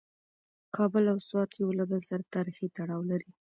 کابل او سوات یو له بل سره تاریخي تړاو لري.